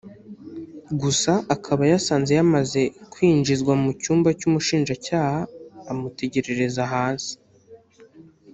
gusa akaba yasanze yamaze kwinjizwa mu cyumba cy’umushinjacyaha amutegerereza hasi